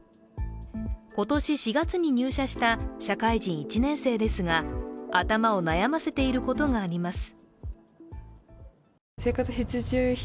今年４月に入社した社会人１年生ですが、頭を悩ませていることがあります。